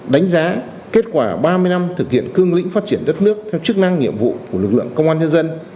đánh giá kết quả ba mươi năm thực hiện cương lĩnh phát triển đất nước theo chức năng nhiệm vụ của lực lượng công an nhân dân